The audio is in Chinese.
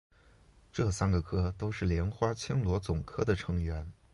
这三个科都是莲花青螺总科的成员。